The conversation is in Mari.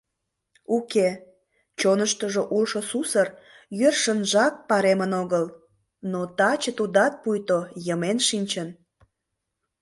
Уке, чоныштыжо улшо сусыр йӧршынжак паремын огыл, но таче тудат пуйто йымен шинчын.